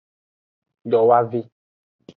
Dowavi.